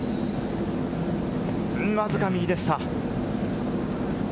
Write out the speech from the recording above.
わずかに右でした。